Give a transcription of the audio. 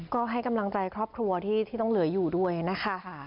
ก็ให้กำลังใจครอบครัวที่ต้องเหลืออยู่ด้วยนะคะ